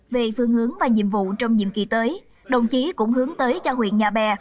về phương hướng và nhiệm vụ trong nhiệm kỳ tới đồng chí cũng hướng tới cho huyện nhà bè